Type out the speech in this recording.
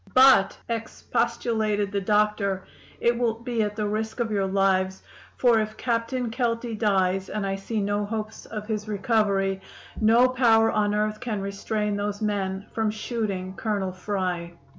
"'But,' expostulated the doctor, 'it will be at the risk of your lives; for if Captain Kelty dies and I see no hopes of his recovery no power on earth can restrain those men from shooting Colonel Fry.